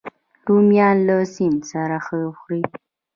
رومیان له سیند سره ښه خوري